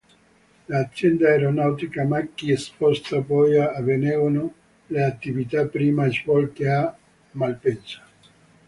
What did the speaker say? L'azienda Aeronautica Macchi sposta poi a Venegono le attività prima svolte a Malpensa.